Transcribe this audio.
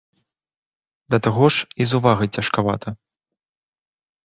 Да таго ж, і з увагай цяжкавата.